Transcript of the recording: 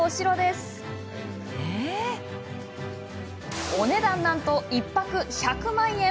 そのお値段なんと１泊１組１００万円。